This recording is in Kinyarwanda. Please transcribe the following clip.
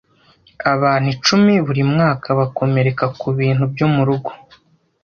Abantu icumi buri mwaka bakomereka kubintu byo murugo